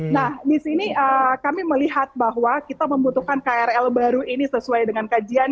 nah di sini kami melihat bahwa kita membutuhkan krl baru ini sesuai dengan kajian